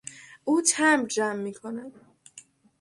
او تمبر جمع میکند.